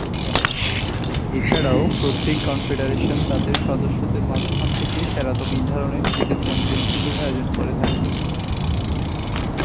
এছাড়াও, প্রত্যেক কনফেডারেশন তাদের সদস্যদের মাঝখান থেকে সেরা দল নির্ধারণে নিজেদের চ্যাম্পিয়নশীপের আয়োজন করে থাকে।